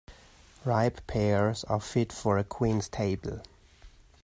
Ripe pears are fit for a queen's table.